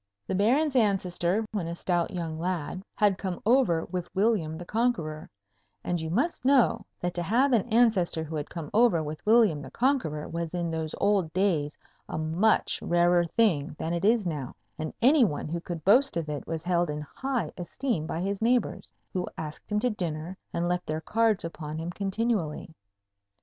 The Baron's ancestor, when a stout young lad, had come over with William the Conqueror; and you must know that to have an ancestor who had come over with William the Conqueror was in those old days a much rarer thing than it is now, and any one who could boast of it was held in high esteem by his neighbours, who asked him to dinner and left their cards upon him continually.